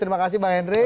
terima kasih bang henry